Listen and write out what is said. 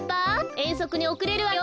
えんそくにおくれるわよ。